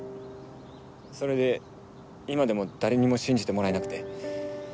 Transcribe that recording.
それで今でも誰にも信じてもらえなくて。